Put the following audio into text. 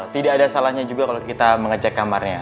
tidak ada salahnya juga kalau kita mengecek kamarnya